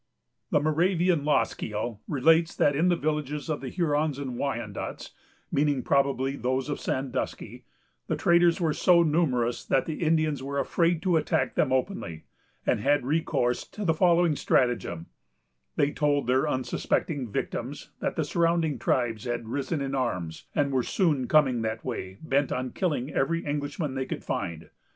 The Moravian Loskiel relates that in the villages of the Hurons or Wyandots, meaning probably those of Sandusky, the traders were so numerous that the Indians were afraid to attack them openly, and had recourse to the following stratagem: They told their unsuspecting victims that the surrounding tribes had risen in arms, and were soon coming that way, bent on killing every Englishman they could find.